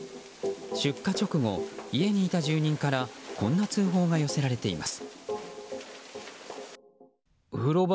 出火直後、家にいた住人からこんな通報が寄せられています。